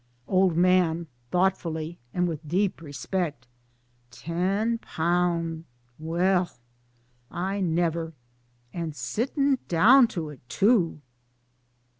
Old Man (thoughtfully and with deep respect) :" Ten pun 1 Well, I never and sittln' down to it too!